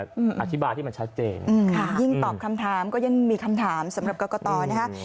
ค่ะยิ่งตอบคำถามก็ยังมีคำถามสำหรับเกาะเกาะตอนนะฮะ